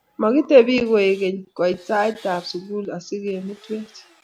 Makitebi koek keny, koit basit ab sukul asikomtuech